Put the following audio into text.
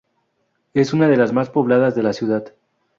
Es una de las más pobladas de la ciudad.